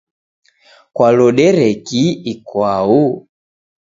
Kwalodere kii ikwau?